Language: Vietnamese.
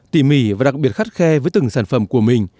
tỉ mỉ và đặc biệt khắt khe với từng sản phẩm của mình